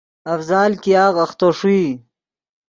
افضال ګیاغ اختو ݰوئی